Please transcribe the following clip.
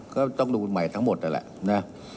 ก็ต้องดูใหม่ทั้งหมดนั่นแหละนะ